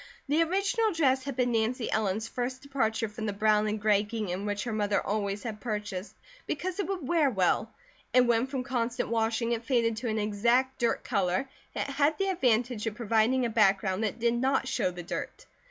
The original dress had been Nancy Ellen's first departure from the brown and gray gingham which her mother always had purchased because it would wear well, and when from constant washing it faded to an exact dirt colour it had the advantage of providing a background that did not show the dirt.